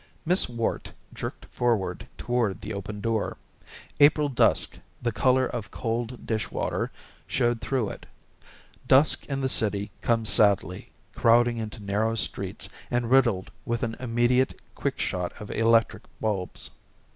Miss Worte jerked forward toward the open door. April dusk, the color of cold dish water, showed through it. Dusk in the city comes sadly, crowding into narrow streets and riddled with an immediate quick shot of electric bulbs.